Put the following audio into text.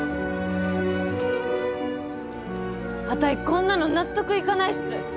あたいこんなの納得いかないっす。